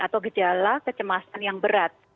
atau gejala kecemasan yang berat